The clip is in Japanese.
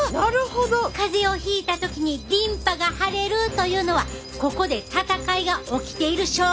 風邪をひいた時にリンパが腫れるというのはここで戦いが起きている証拠なのよ！